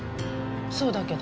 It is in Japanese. そうだけど。